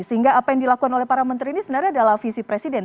sehingga apa yang dilakukan oleh para menteri ini sebenarnya adalah visi presiden